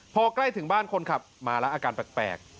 พอใกล้ถึงบ้านคนขับมาแล้วอาการแปลก